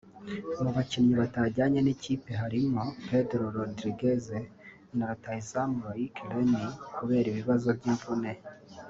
Mu bakinnyi batajyanye n’ikipe harimo Pedro Rodriguez na rutahizamu Loic Remy kubera ibibazo by’imvune